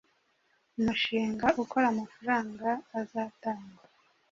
Umushinga ukoraamafaranga azatangwa